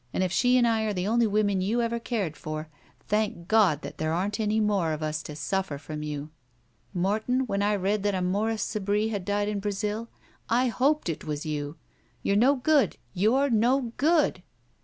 If she and I are the only women you ever cared for, thank God that there aren't any more of us to suflFer from you. Morton, when I read that a Morris Sebree had died in Brazil, I hoped it was you! You're no good! You're no good!"